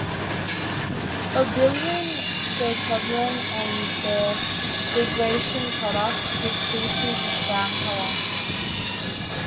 Urobilin, stercobilin and their degradation products give feces its brown color.